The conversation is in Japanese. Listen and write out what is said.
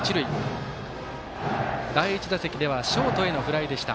第１打席ではショートへのフライでした。